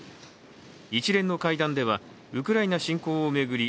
一連の会談では、ウクライナ侵攻を巡り